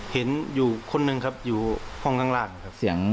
เห็นอยู่คนหนึ่งครับอยู่ห้องข้างล่างครับเสียง